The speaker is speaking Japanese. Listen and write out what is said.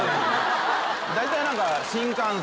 大体何か。